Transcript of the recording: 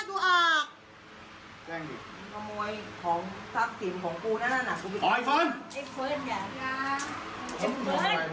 พ่อนี้บังคับแม่ให้แกถอดสร้อยให้พ่ออยู่ในกระป๋าในบ้าน